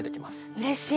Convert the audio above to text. うれしい！